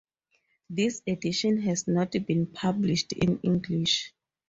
This Edition has not been published in English.